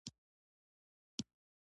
د مسلمانانو سره ورورولۍ د دین اصل دی.